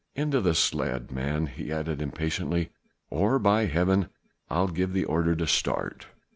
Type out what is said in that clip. Into the sledge, man," he added impatiently, "or by Heaven I'll give the order to start."